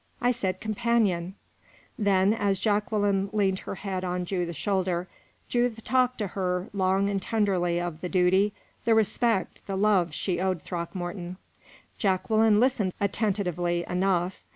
"I said companion." Then, as Jacqueline leaned her head on Judith's shoulder, Judith talked to her long and tenderly of the duty, the respect, the love she owed Throckmorton. Jacqueline listened attentively enough.